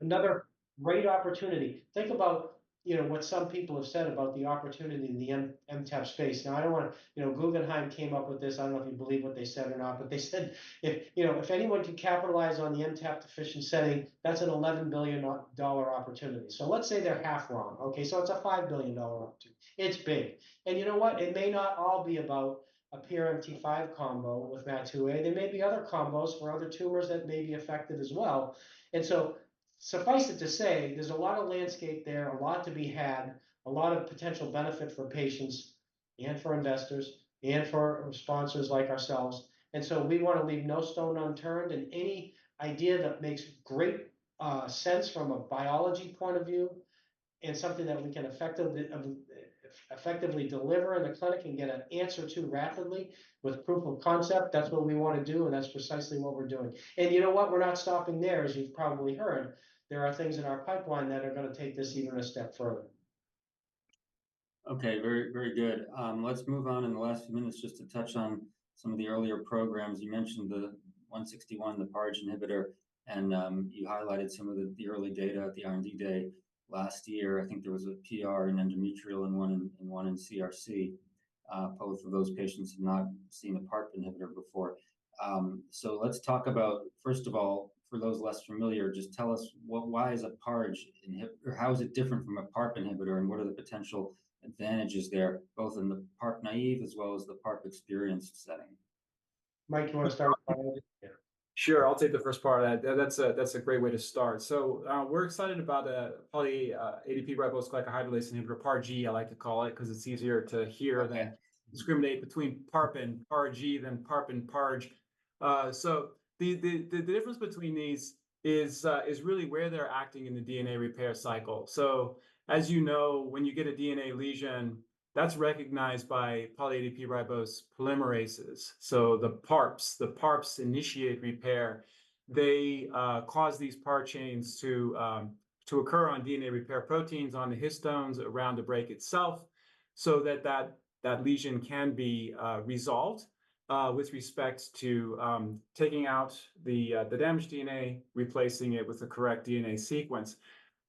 another great opportunity. Think about, you know, what some people have said about the opportunity in the MTAP space. Now, I don't want to, you know, Guggenheim came up with this. I don't know if you believe what they said or not, but they said if, you know, if anyone can capitalize on the MTAP-deficient setting, that's an $11 billion opportunity. So let's say they're half wrong. Okay, so it's a $5 billion opportunity. It's big. And you know what? It may not all be about a PRMT5 combo with MAT2A. There may be other combos for other tumors that may be effective as well. And so suffice it to say, there's a lot of landscape there, a lot to be had, a lot of potential benefit for patients and for investors and for sponsors like ourselves. We want to leave no stone unturned and any idea that makes great sense from a biology point of view and something that we can effectively deliver in the clinic and get an answer to rapidly with proof of concept. That's what we want to do. That's precisely what we're doing. You know what? We're not stopping there. As you've probably heard, there are things in our pipeline that are going to take this even a step further. Okay, very, very good. Let's move on in the last few minutes just to touch on some of the earlier programs. You mentioned the 161, the PARG inhibitor, and you highlighted some of the early data at the R&D day last year. I think there was a PR in endometrial and one in CRC. Both of those patients have not seen a PARP inhibitor before. So let's talk about, first of all, for those less familiar, just tell us what, why is a PARG inhibitor or how is it different from a PARP inhibitor and what are the potential advantages there, both in the PARP naïve as well as the PARP experienced setting? Mike, you want to start with that? Sure. I'll take the first part of that. That's a great way to start. So we're excited about poly(ADP-ribose) glycohydrolase inhibitor, PARG, I like to call it, because it's easier to hear than discriminate between PARP and PARG than PARP and PARG. So the difference between these is really where they're acting in the DNA repair cycle. So as you know, when you get a DNA lesion, that's recognized by poly(ADP-ribose) polymerases. So the PARPs, the PARPs initiate repair. They cause these PAR chains to occur on DNA repair proteins on the histones around the break itself so that that lesion can be resolved with respect to taking out the damaged DNA, replacing it with the correct DNA sequence.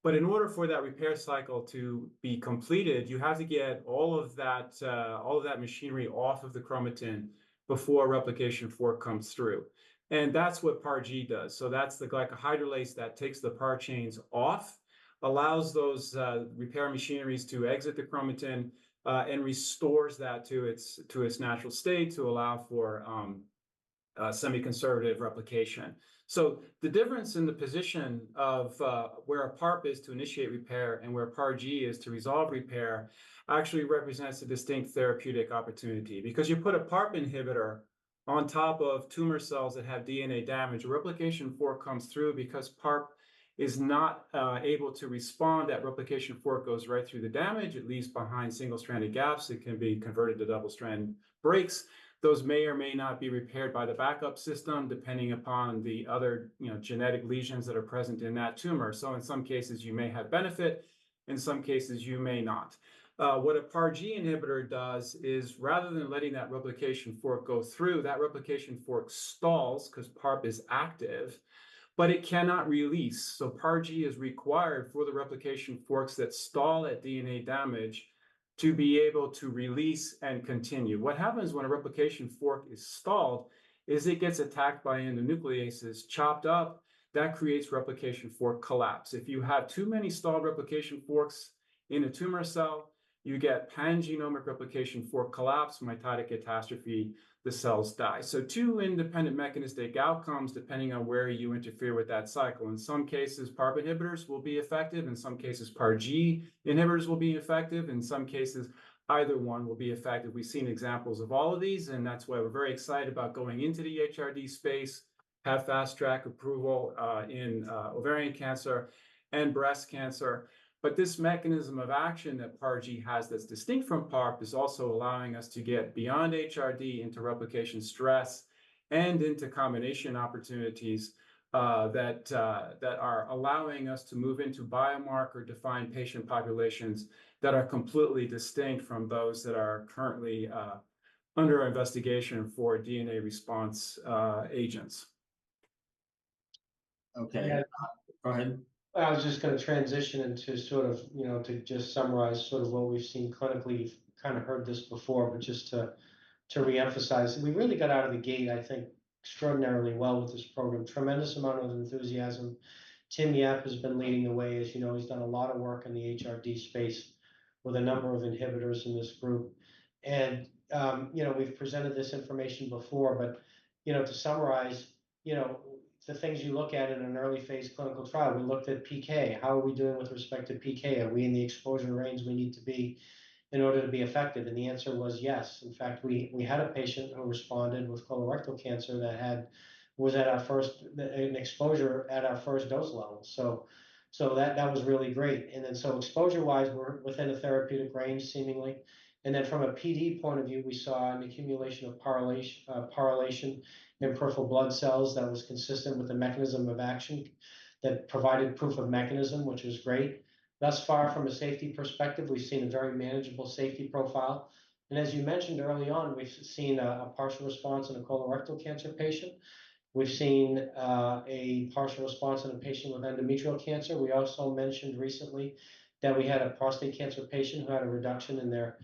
But in order for that repair cycle to be completed, you have to get all of that all of that machinery off of the chromatin before replication fork comes through. And that's what PARG does. So that's the glycohydrolase that takes the PAR chains off, allows those repair machineries to exit the chromatin and restores that to its natural state to allow for semiconservative replication. So the difference in the position of where a PARP is to initiate repair and where PARG is to resolve repair actually represents a distinct therapeutic opportunity because you put a PARP inhibitor on top of tumor cells that have DNA damage, replication fork comes through because PARP is not able to respond. That replication fork goes right through the damage, at least behind single-stranded gaps. It can be converted to double-strand breaks. Those may or may not be repaired by the backup system depending upon the other, you know, genetic lesions that are present in that tumor. So in some cases, you may have benefit. In some cases, you may not. What a PARG inhibitor does is rather than letting that replication fork go through, that replication fork stalls because PARP is active, but it cannot release. So PARG is required for the replication forks that stall at DNA damage to be able to release and continue. What happens when a replication fork is stalled is it gets attacked by endonucleases, chopped up. That creates replication fork collapse. If you have too many stalled replication forks in a tumor cell, you get pan-genomic replication fork collapse, mitotic catastrophe, the cells die. So two independent mechanistic outcomes depending on where you interfere with that cycle. In some cases, PARP inhibitors will be effective. In some cases, PARG inhibitors will be effective. In some cases, either one will be effective. We've seen examples of all of these. And that's why we're very excited about going into the HRD space, have fast track approval in ovarian cancer and breast cancer. But this mechanism of action that PARG has that's distinct from PARP is also allowing us to get beyond HRD into replication stress and into combination opportunities that are allowing us to move into biomarker-defined patient populations that are completely distinct from those that are currently under investigation for DNA response agents. Okay. Go ahead. I was just going to transition into sort of, you know, to just summarize sort of what we've seen clinically. You've kind of heard this before, but just to reemphasize, we really got out of the gate, I think, extraordinarily well with this program. Tremendous amount of enthusiasm. Tim Yap has been leading the way. As you know, he's done a lot of work in the HRD space with a number of inhibitors in this group. And, you know, we've presented this information before. But, you know, to summarize, you know, the things you look at in an early phase clinical trial, we looked at PK. How are we doing with respect to PK? Are we in the exposure range we need to be in order to be effective? And the answer was yes. In fact, we had a patient who responded with colorectal cancer that had at our first exposure at our first dose level. So that was really great. And then, exposure-wise, we're within a therapeutic range, seemingly. And then from a PD point of view, we saw an accumulation of PARylation in peripheral blood cells that was consistent with the mechanism of action that provided proof of mechanism, which was great. Thus far, from a safety perspective, we've seen a very manageable safety profile. And as you mentioned early on, we've seen a partial response in a colorectal cancer patient. We've seen a partial response in a patient with endometrial cancer. We also mentioned recently that we had a prostate cancer patient who had a reduction in their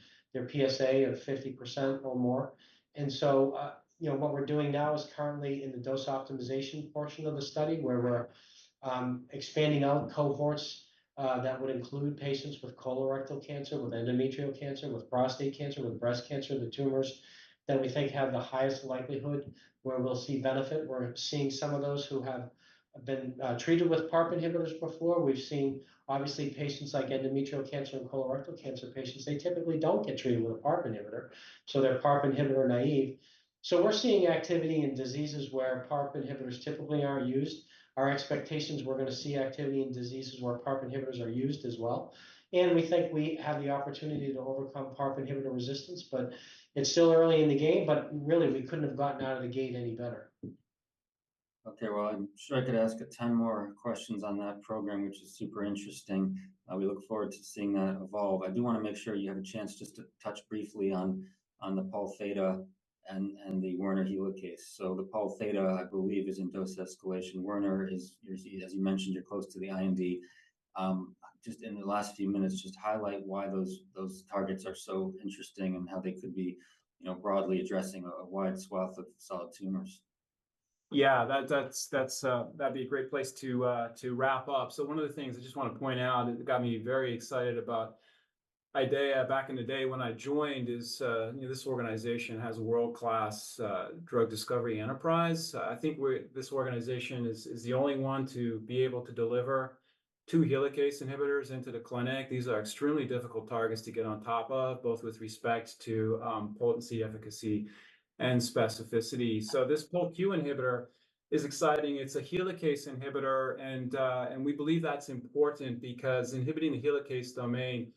PSA of 50% or more. And so, you know, what we're doing now is currently in the dose optimization portion of the study where we're expanding out cohorts that would include patients with colorectal cancer, with endometrial cancer, with prostate cancer, with breast cancer, the tumors that we think have the highest likelihood where we'll see benefit. We're seeing some of those who have been treated with PARP inhibitors before. We've seen, obviously, patients like endometrial cancer and colorectal cancer patients. They typically don't get treated with a PARP inhibitor, so they're PARP inhibitor naïve. So we're seeing activity in diseases where PARP inhibitors typically aren't used. Our expectations we're going to see activity in diseases where PARP inhibitors are used as well. And we think we have the opportunity to overcome PARP inhibitor resistance, but it's still early in the game. But really, we couldn't have gotten out of the gate any better. Okay. Well, I'm sure I could ask a ton more questions on that program, which is super interesting. We look forward to seeing that evolve. I do want to make sure you have a chance just to touch briefly on the Pol Theta and the Werner Helicase. So the Pol Theta, I believe, is in dose escalation. Werner is, as you mentioned, you're close to the IND. Just in the last few minutes, just highlight why those targets are so interesting and how they could be, you know, broadly addressing a wide swath of solid tumors. Yeah, that'd be a great place to wrap up. So one of the things I just want to point out that got me very excited about IDEAYA back in the day when I joined is, you know, this organization has a world-class drug discovery enterprise. I think this organization is the only one to be able to deliver two helicase inhibitors into the clinic. These are extremely difficult targets to get on top of, both with respect to potency, efficacy, and specificity. So this POLQ inhibitor is exciting. It's a helicase inhibitor. And we believe that's important because inhibiting the helicase domain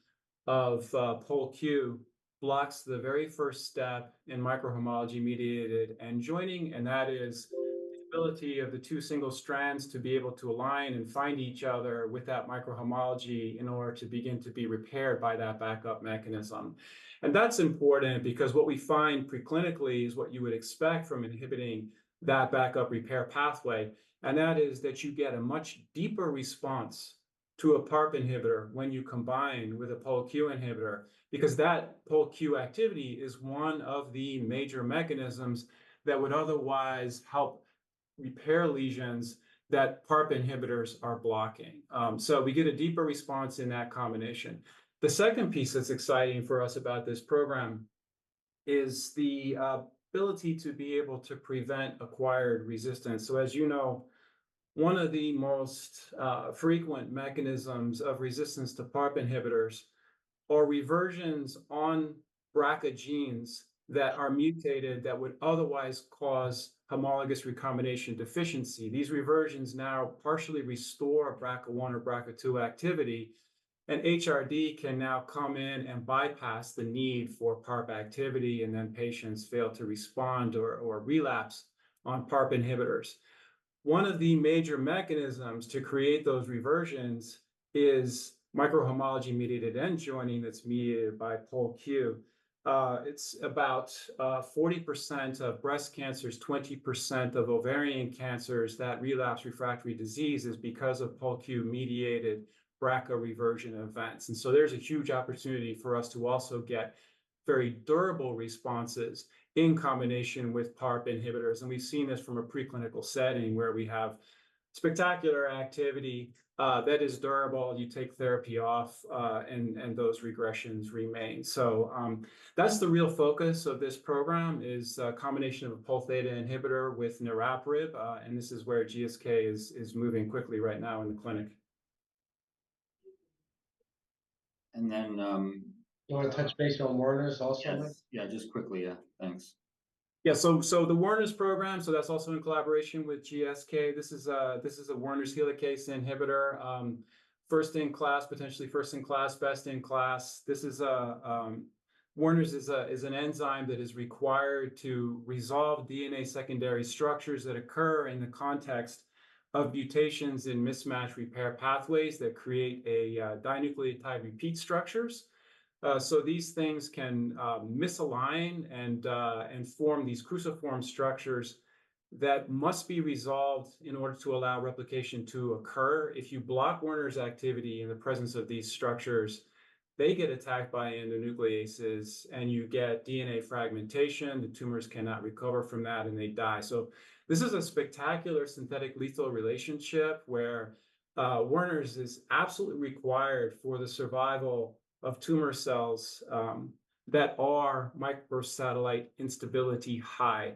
of POLQ blocks the very first step in microhomology-mediated end-joining. And that is the ability of the two single strands to be able to align and find each other with that microhomology in order to begin to be repaired by that backup mechanism. And that's important because what we find preclinically is what you would expect from inhibiting that backup repair pathway. And that is that you get a much deeper response to a PARP inhibitor when you combine with a POLQ inhibitor because that POLQ activity is one of the major mechanisms that would otherwise help repair lesions that PARP inhibitors are blocking. So we get a deeper response in that combination. The second piece that's exciting for us about this program is the ability to be able to prevent acquired resistance. So as you know, one of the most frequent mechanisms of resistance to PARP inhibitors are reversions on BRCA genes that are mutated that would otherwise cause homologous recombination deficiency. These reversions now partially restore BRCA1 or BRCA2 activity. And HRD can now come in and bypass the need for PARP activity. And then patients fail to respond or relapse on PARP inhibitors. One of the major mechanisms to create those reversions is microhomology-mediated end-joining that's mediated by POLQ. It's about 40% of breast cancers, 20% of ovarian cancers that relapse refractory disease is because of POLQ-mediated BRCA reversion events. And so there's a huge opportunity for us to also get very durable responses in combination with PARP inhibitors. And we've seen this from a preclinical setting where we have spectacular activity that is durable. And take therapy off and those regressions remain. So, that's the real focus of this program is a combination of both a inhibitor with niraparib. This is where GSK is moving quickly right now in the clinic. And then you want to touch base on Werner's also? Yeah, just quickly. Yeah. Thanks. Yeah. So the Werner's program, so that's also in collaboration with GSK. This is a Werner's Helicase inhibitor, first-in-class, potentially first-in-class, best-in-class. This is a Werner's is an enzyme that is required to resolve DNA secondary structures that occur in the context of mutations in mismatch repair pathways that create a dinucleotide repeat structures. So these things can misalign and form these cruciform structures that must be resolved in order to allow replication to occur. If you block Werner's activity in the presence of these structures, they get attacked by endonucleases, and you get DNA fragmentation. The tumors cannot recover from that, and they die. So this is a spectacular synthetic lethal relationship where Werner's is absolutely required for the survival of tumor cells that are microsatellite instability high,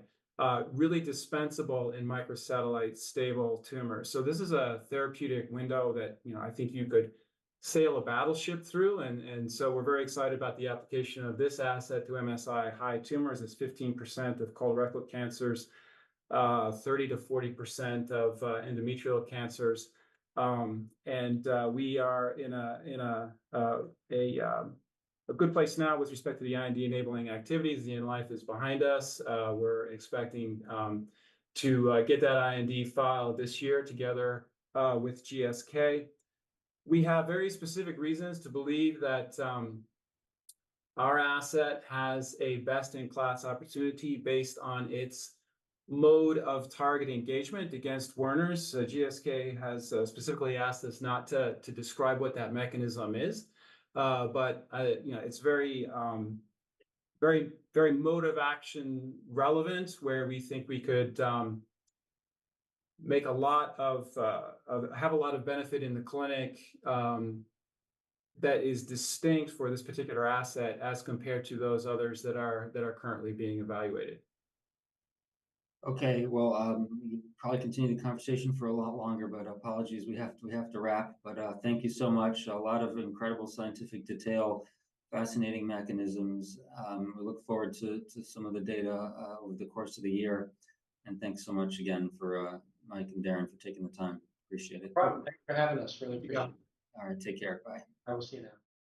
really dispensable in microsatellite stable tumors. So this is a therapeutic window that, you know, I think you could sail a battleship through. And so we're very excited about the application of this asset to MSI-high tumors. It's 15% of colorectal cancers, 30%-40% of endometrial cancers. And we are in a good place now with respect to the IND-enabling activities. The in-life is behind us. We're expecting to get that IND filed this year together with GSK. We have very specific reasons to believe that our asset has a best-in-class opportunity based on its mode of target engagement against Werner's. GSK has specifically asked us not to describe what that mechanism is. But you know, it's very, very, very mode of action relevant where we think we could make a lot of benefit in the clinic that is distinct for this particular asset as compared to those others that are currently being evaluated. Okay. Well, we can probably continue the conversation for a lot longer, but apologies. We have to wrap. But thank you so much. A lot of incredible scientific detail, fascinating mechanisms. We look forward to some of the data over the course of the year. And thanks so much again for Mike and Darrin for taking the time. Appreciate it. Thanks for having us. Really appreciate it. All right. Take care. Bye. I will see you now.